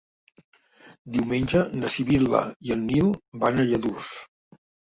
Diumenge na Sibil·la i en Nil van a Lladurs.